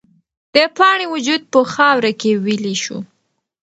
د پاڼې وجود په خاوره کې ویلې شو.